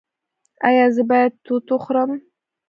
ایا زه باید توت وخورم؟